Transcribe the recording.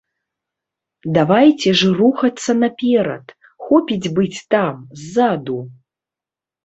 Давайце ж рухацца наперад, хопіць быць там, ззаду.